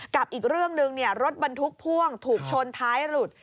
กับอีกเรื่องหนึ่งรถบรรทุกพ่วงถูกชนท้ายหลุด